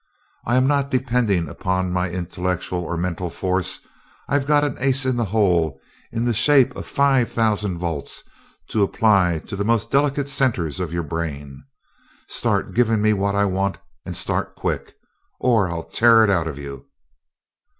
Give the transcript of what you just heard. I am not depending upon my intellectual or mental force I've got an ace in the hole in the shape of five thousand volts to apply to the most delicate centers of your brain. Start giving me what I want, and start quick, or I'll tear it out of you."